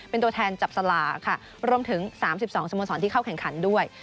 เป็นตัวแทนจับสลากค่ะรวมถึง๓๒สโมสรที่เข้าแข่งขันด้วย